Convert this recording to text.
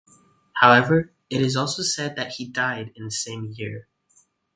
However, it is also said that he died in the same year.